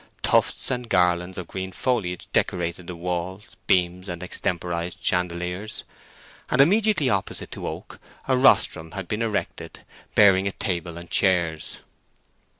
Tufts and garlands of green foliage decorated the walls, beams, and extemporized chandeliers, and immediately opposite to Oak a rostrum had been erected, bearing a table and chairs.